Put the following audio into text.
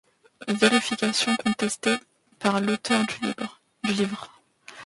Vérifications contestées par l'auteur du livre.